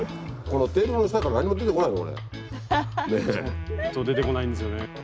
ちょっと出てこないんですよね。